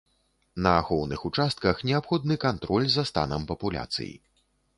На ахоўных участках неабходны кантроль за станам папуляцый.